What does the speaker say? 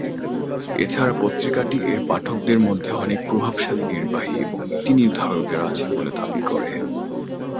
এছাড়া পত্রিকাটি এর পাঠকদের মধ্যে অনেক প্রভাবশালী নির্বাহী এবং নীতি-নির্ধারকেরা আছে বলে দাবি করে।